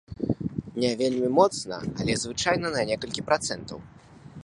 Не вельмі моцна, але звычайна на некалькі працэнтаў.